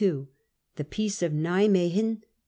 THE PEACE OF NIMWEGEN.